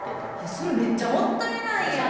それめっちゃもったいないやん。